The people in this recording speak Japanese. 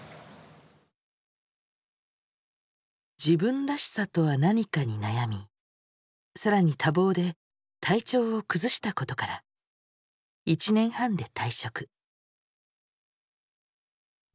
自分らしさとは何かに悩み更に多忙で体調を崩したことから１年半で退職。